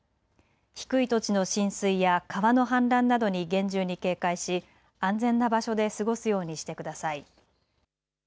低い土地の浸水や川の氾濫などに厳重に警戒し安全な場所で過ごすようにしてください。